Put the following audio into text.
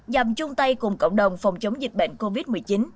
dàm chung tay cùng cộng đồng phòng chống dịch bệnh covid một mươi chín